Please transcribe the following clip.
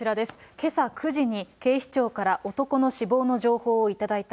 けさ９時に、警視庁から男の死亡の情報を頂いた。